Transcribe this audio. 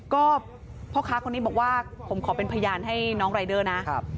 ก็พ่อค้าคนนี้บอกว่าผมขอเป็นพยานให้น้องรายเดอร์นะ